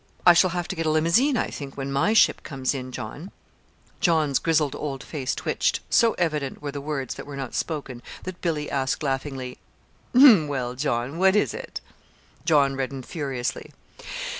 I shall have to get a limousine, I think, when my ship comes in, John." John's grizzled old face twitched. So evident were the words that were not spoken that Billy asked laughingly: "Well, John, what is it?" John reddened furiously.